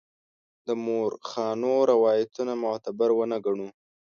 د مورخانو روایتونه معتبر ونه ګڼو.